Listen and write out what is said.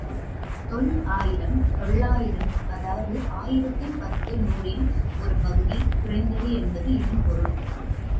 தொள் ஆயிரம் தொள்ளாயிரம் அதாவது ஆயிரத்தில் பத்து நூறில் ஒரு பகுதி குறைந்தது என்பது இதன் பொருள்.